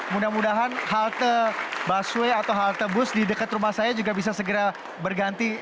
mudah mudahan halte bus di dekat rumah saya juga bisa segera berganti